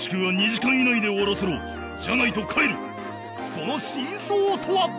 その真相とは